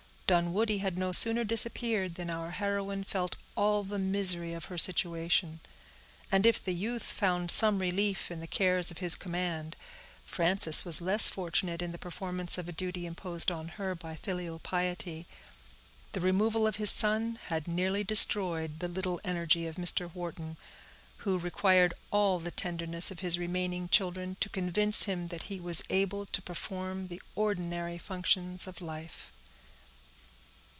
Dunwoodie had no sooner disappeared, than our heroine felt all the misery of her situation; and if the youth found some relief in the cares of his command, Frances was less fortunate in the performance of a duty imposed on her by filial piety. The removal of his son had nearly destroyed the little energy of Mr. Wharton, who required all the tenderness of his remaining children to convince him that he was able to perform the ordinary functions of life.